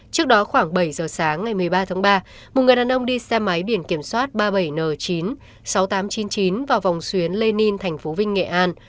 trước đó khoảng bảy giờ sáng ngày một mươi ba tháng ba một người đàn ông đi xe máy biển kiểm soát ba mươi bảy n chín mươi sáu nghìn tám trăm chín mươi chín vào vòng xuyến le ninh thành phố vinh nghệ an